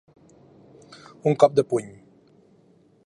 Un cop de puny.